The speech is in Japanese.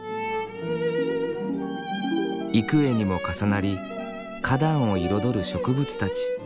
幾重にも重なり花壇を彩る植物たち。